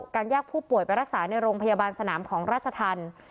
แยกผู้ป่วยไปรักษาในโรงพยาบาลสนามของราชธรรม